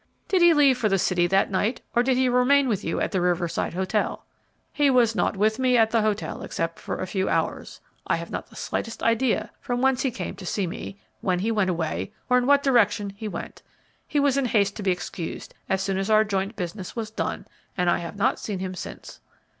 "Did he leave for the city that night, or did he remain with you at the Riverside Hotel?" "He was not with me at the hotel except for a few hours. I have not the slightest idea from whence he came to see me, when he went away, or in what direction he went. He was in haste to be excused as soon as our joint business was done, and I have not seen him since."